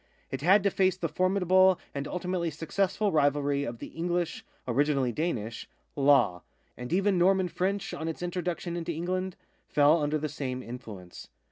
It had to face the formidable and ultimately successful rivalry of the English (originally Danish) law, and even Norman French, on its introduction into England, fell under the same influence.